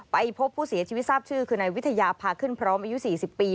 ไปพบผู้เสียชีวิตทราบชื่อคือนายวิทยาพาขึ้นพร้อมอายุ๔๐ปี